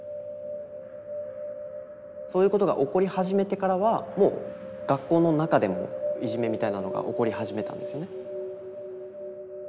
そういうことが起こり始めてからはもう学校の中でもいじめみたいなのが起こり始めたんですよね。